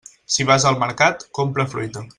Si vas al mercat, compra fruita.